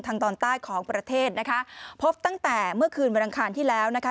ตอนใต้ของประเทศนะคะพบตั้งแต่เมื่อคืนวันอังคารที่แล้วนะคะ